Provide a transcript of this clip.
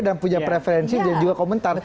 dan punya preferensi dan juga komentar